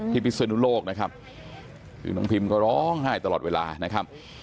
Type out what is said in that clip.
พิศนุโลกนะครับคือน้องพิมก็ร้องไห้ตลอดเวลานะครับ